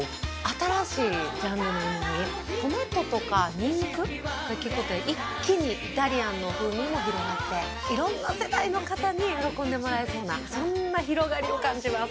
トマトとかニンニクが効くことで一気にイタリアンの風味も広がっていろんな世代の方に喜んでもらえそうなそんな広がりを感じます。